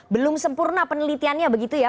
belum sempurna penelitiannya begitu ya